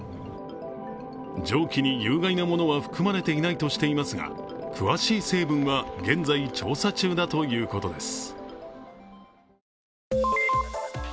蒸気に有害なものは含まれていないとしていますが、詳しい成分は現在調査中だということです。